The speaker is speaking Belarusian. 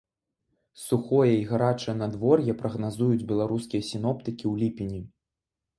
Сухое і гарачае надвор'е прагназуюць беларускія сіноптыкі ў ліпені.